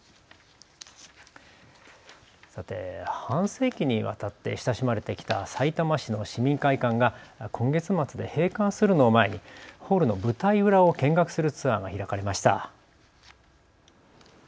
半世紀にわたって親しまれてきたさいたま市の市民会館が今月末で閉館するのを前にホールの舞台裏を見学するツアーが開かれました。